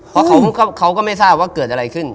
เพราะเขาก็ไม่ทราบว่าเกิดอะไรขึ้น